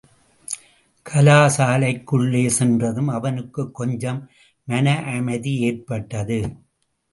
கலாசாலைக்குள்ளே சென்றதும், அவனுக்குக் கொஞ்சம் மனஅமைதி ஏற்பட்டது.